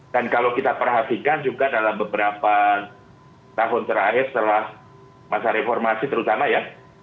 dan kalau kita perhatikan juga dalam beberapa tahun terakhir setelah masa reformasi terutama ya